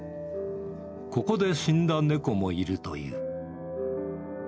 ここで死んだ猫もいるという。